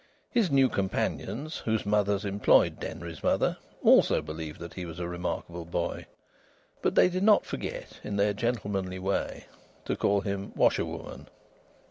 His new companions, whose mothers employed Denry's mother, also believed that he was a remarkable boy; but they did not forget, in their gentlemanly way, to call him "washer woman."